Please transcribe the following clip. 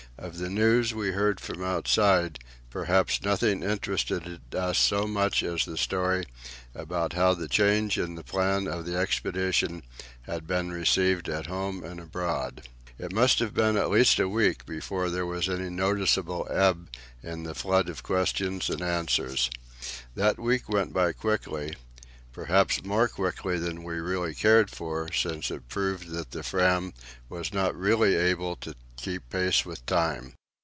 Of the news we heard from outside, perhaps nothing interested us so much as the story of how the change in the plan of the expedition had been received at home and abroad. It must have been at least a week before there was any noticeable ebb in the flood of questions and answers. That week went by quickly; perhaps more quickly than we really cared for, since it proved that the Fram was not really able to keep pace with time.